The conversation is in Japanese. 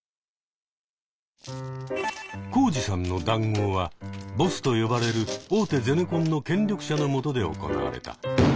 コウジさんの談合はボスと呼ばれる大手ゼネコンの権力者のもとで行われた。